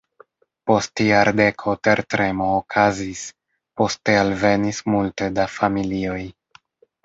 Post jardeko tertremo okazis, poste alvenis multe da familioj.